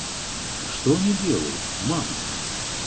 Что они делают, мама?